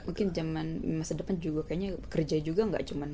mungkin masa depan juga kayaknya kerja juga gak cuma